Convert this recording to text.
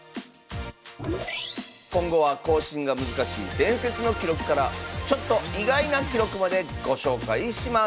今後は更新が難しい伝説の記録からちょっと意外な記録までご紹介します